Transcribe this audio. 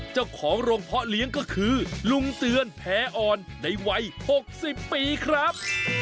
เจ้าของโรงเพาะเลี้ยงก็คือลุงเตือนแพออ่อนในวัย๖๐ปีครับ